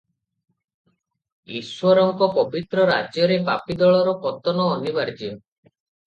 ଈଶ୍ୱରଙ୍କ ପବିତ୍ର ରାଜ୍ୟରେ ପାପୀ ଦଳର ପତନ ଅନିବାର୍ଯ୍ୟ ।